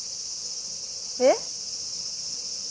えっ？